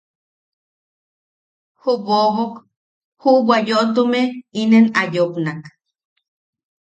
Ju bobok juʼubwa yoʼotume inen a yopnak: